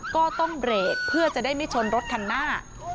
ก็ต้องเบรกเพื่อจะได้ไม่ชนรถคันหน้า